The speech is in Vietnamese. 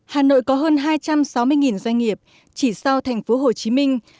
hà nội có hơn hai trăm sáu mươi doanh nghiệp chỉ sau thành phố hồ chí minh